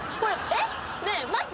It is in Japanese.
えっ？ねえ待って。